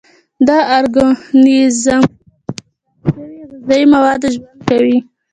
دا ارګانیزمونه په خوسا شوي غذایي موادو ژوند کوي.